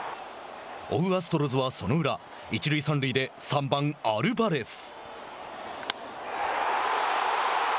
追うアストロズは、その裏、一塁三塁で３番アルバレス。